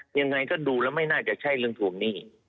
ยังไงก็ดูแล้วไม่น่าจะใช่เรื่องทวงหนี้